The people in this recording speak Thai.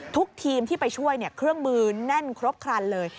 ทีมที่ไปช่วยเครื่องมือแน่นครบครันเลย